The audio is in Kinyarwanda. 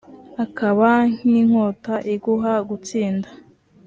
akaba n’inkota iguha gutsinda.